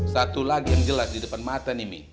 satu lagi yang jelas di depan mata nih mi